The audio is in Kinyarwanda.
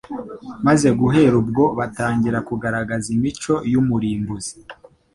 maze guhera ubwo batangira kugaragaza imico y'umurimbuzi.